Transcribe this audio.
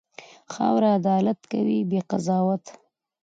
خاوره عدالت کوي، بې قضاوت.